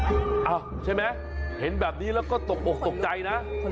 อ้าวใช่มั้ยเห็นแบบนี้ก็ตกใจนะ